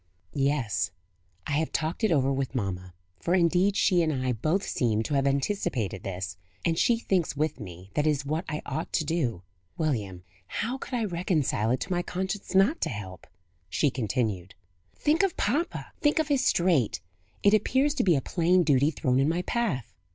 "Yes. I have talked it over with mamma for indeed she and I both seem to have anticipated this and she thinks with me, that it is what I ought to do. William, how could I reconcile it to my conscience not to help?" she continued. "Think of papa! think of his strait! It appears to be a plain duty thrown in my path."